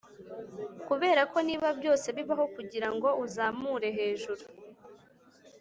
kuberako niba byose bibaho kugirango uzamure hejuru